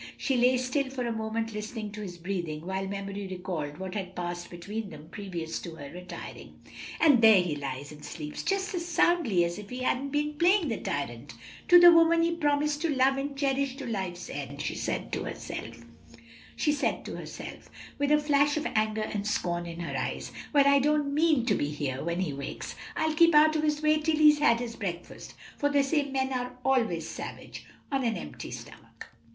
She lay still for a moment listening to his breathing, while memory recalled what had passed between them previous to her retiring. "And there he lies and sleeps just as soundly as if he hadn't been playing the tyrant to the woman he promised to love and cherish to life's end," she said to herself, with a flash of anger and scorn in her eyes. "Well, I don't mean to be here when he wakes; I'll keep out of his way till he's had his breakfast; for they say men are always savage on an empty stomach."